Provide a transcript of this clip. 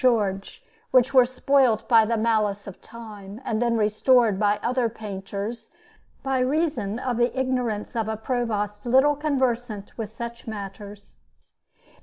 George, which were spoilt by the malice of time, and then restored by other painters by reason of the ignorance of a Provost little conversant with such matters.